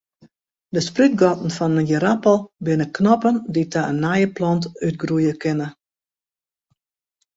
De sprútgatten fan in ierappel binne knoppen dy't ta in nije plant útgroeie kinne.